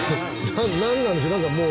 何なんでしょう。